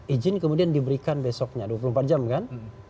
izin kemudian diberikan besoknya dua puluh empat jam kan